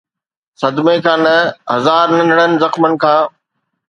صدمي کان نه، هزار ننڍڙن زخمن کان.